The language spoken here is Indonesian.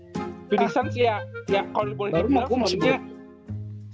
sebenernya kalo liat pemainnya kan